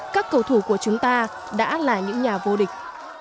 các cầu thủ của chúng ta đã là những nhà vô địch